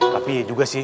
tapi juga sih